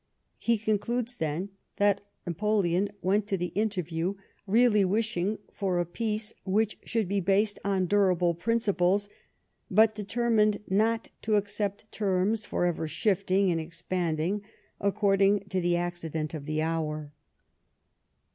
He concludes, then, that Napoleon went to the interview really w'ishing for a peace which should be based on durable principles, but determined not to accept terms for ever shifting and expanding according to the accident of the hour.